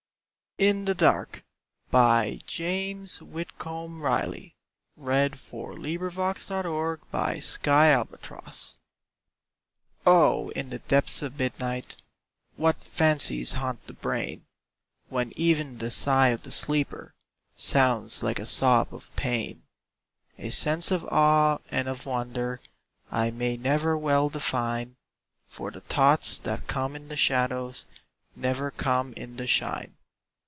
ief; And mother, brother, wife and child Will see it and be reconciled. IN THE DARK O In the depths of midnight What fancies haunt the brain! When even the sigh of the sleeper Sounds like a sob of pain. A sense of awe and of wonder I may never well define, For the thoughts that come in the shadows Never come in the shine.